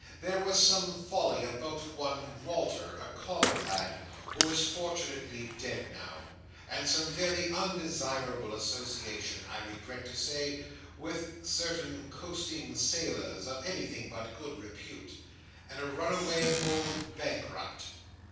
There was some folly about one Walter, a common lad, who is fortunately dead now: and some very undesirable association, I regret to say, with certain coasting sailors, of anything but good repute, and a runaway old bankrupt."